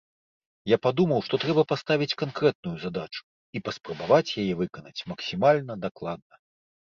Я падумаў, што трэба паставіць канкрэтную задачу і паспрабаваць яе выканаць максімальна дакладна.